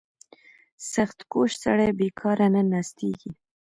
• سختکوش سړی بېکاره نه ناستېږي.